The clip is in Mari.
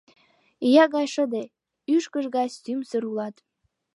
Ия гай шыде, ӱшкыж гай сӱмсыр улат!